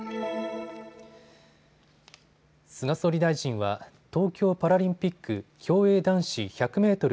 菅総理大臣は東京パラリンピック競泳男子１００メートル